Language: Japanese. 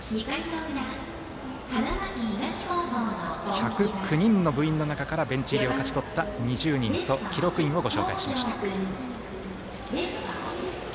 １０９人の部員の中からベンチ入りを勝ち取った２０人と記録員をご紹介しました。